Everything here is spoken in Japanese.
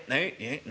何？